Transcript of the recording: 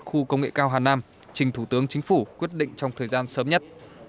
khu công nghệ cao hà nam trình thủ tướng chính phủ quyết định trong thời gian sớm nhất